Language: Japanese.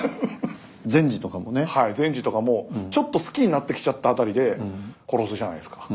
善児とかもちょっと好きになってきちゃった辺りで殺すじゃないですか。